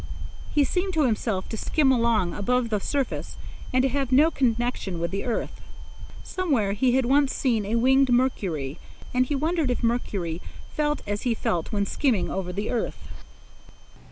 He seemed to himself to skim along above the surface and to have no connection with the earth. Somewhere he had once seen a winged Mercury, and he wondered if Mercury felt as he felt when skimming over the earth.